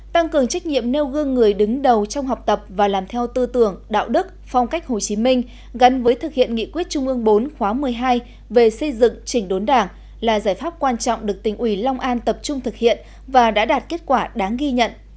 tăng cường trách nhiệm nêu gương người đứng đầu trong học tập và làm theo tư tưởng đạo đức phong cách hồ chí minh gắn với thực hiện nghị quyết trung ương bốn khóa một mươi hai về xây dựng chỉnh đốn đảng là giải pháp quan trọng được tỉnh ủy long an tập trung thực hiện và đã đạt kết quả đáng ghi nhận